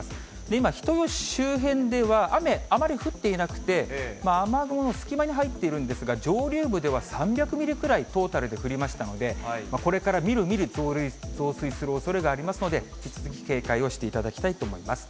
今、人吉周辺では雨、あまり降っていなくて、雨雲の隙間に入っているんですが、上流部では３００ミリぐらい、トータルで降りましたので、これからみるみる増水するおそれがありますので、引き続き警戒をしていただきたいと思います。